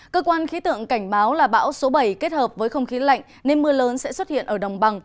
cơ quan khí tượng cảnh báo là bão số bảy kết hợp với không khí lạnh nên mưa lớn sẽ xuất hiện ở đồng bằng